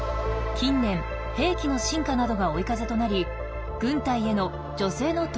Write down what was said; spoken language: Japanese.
近年兵器の進化などが追い風となり軍隊への女性の登用が増えています。